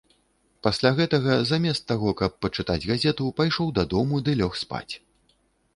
Пасля гэтага, замест таго, каб пачытаць газету, пайшоў дадому ды лёг спаць.